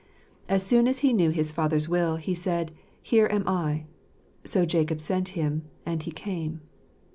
As soon as he knew his father's will, he said, " Here am I." "So Jacob sent him ; and he came."